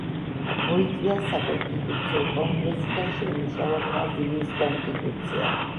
მოიწვია საკონსტიტუციო კონგრესი და შეიმუშავა ბრაზილიის კონსტიტუცია.